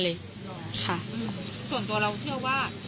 มันหลอกให้ออกมา